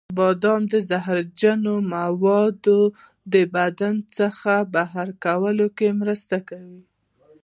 بادام د زهرجنو موادو د بدن څخه بهر کولو کې مرسته کوي.